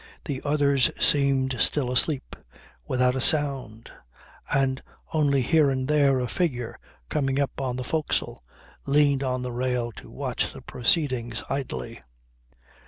The others seemed still asleep, without a sound, and only here and there a figure, coming up on the forecastle, leaned on the rail to watch the proceedings idly.